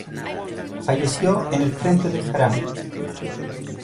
Falleció en el frente del Jarama.